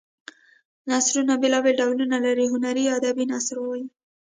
نثرونه بېلا بېل ډولونه لري هنري یا ادبي نثر وايي.